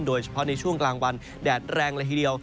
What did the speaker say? โดยเฉพาะในช่วงกลางวันแดดแรงเลยทีเดียว